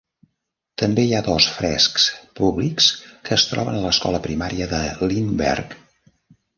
També hi ha dos frescs públics que es troben a l'escola primaria de Lindbergh.